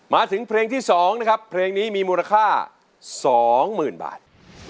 มาถึงเพลงที่สองนะครับเพลงนี้มีมูลค่าสองหมื่นบาท